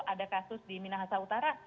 ada kasus di minahasa utara